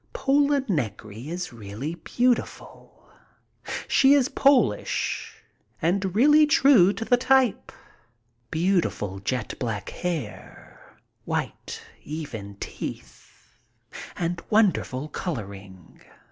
Pola Negri is really beautiful. She is Polish and really true to the type. Beautiful jet black hair, white, even teeth and wonderful coloring.